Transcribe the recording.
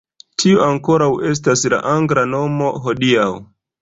Tiu ankoraŭ estas la angla nomo hodiaŭ.